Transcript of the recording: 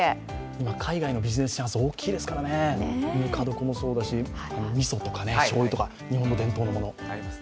今、海外のビジネスチャンス大きいですからね、ぬか床もそうですしみそとか、しょうゆとか日本の伝統のもの。